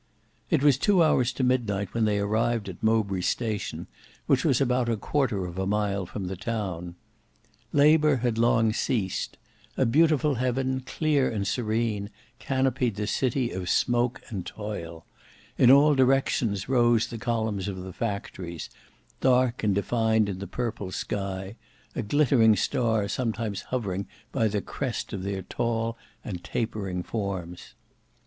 It was two hours to midnight when they arrived at Mowbray station, which was about a quarter of a mile from the town. Labour had long ceased; a beautiful heaven, clear and serene, canopied the city of smoke and toil; in all directions rose the columns of the factories, dark and defined in the purple sky; a glittering star sometimes hovering by the crest of their tall and tapering forms.